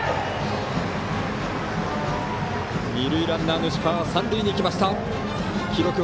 二塁ランナーの石川三塁に行きました。